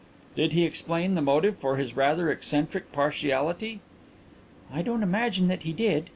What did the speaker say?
"Did he explain the motive for this rather eccentric partiality?" "I don't imagine that he did.